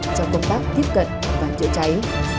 trong công tác tiếp cận và chữa cháy